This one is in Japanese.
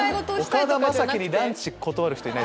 岡田将生のランチ断る人いない。